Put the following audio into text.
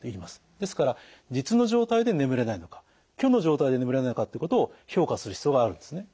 ですから実の状態で眠れないのか虚の状態で眠れないのかということを評価する必要があるんですね。